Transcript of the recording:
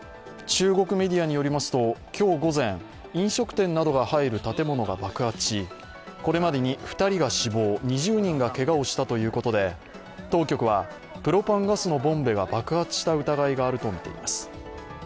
中国メディアによりますと、今日午前、飲食店などが入る建物が爆発しこれまでに２人が死亡、２０人がけがをしたということで当局は、プロパンガスのボンベが爆発した疑いがあるとみています。